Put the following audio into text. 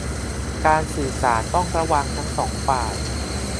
การสื่อสารต้องระวังทั้งสองฝ่าย